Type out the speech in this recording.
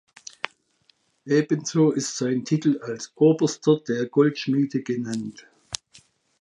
Ebenso ist sein Titel als „Oberster der Goldschmiede“ genannt.